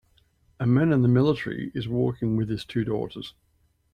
A man in the military is walking with his two daughters.